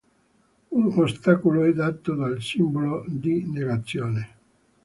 Un ostacolo è dato dal simbolo di negazione.